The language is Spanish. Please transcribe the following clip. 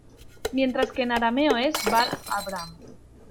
Mientras que en arameo es "Bar Abram".